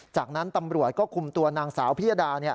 จากนั้นตำรวจก็คุมตัวนางสาวพิยดา